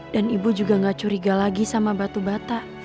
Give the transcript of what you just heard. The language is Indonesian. dan ibu juga gak curiga lagi sama batu bata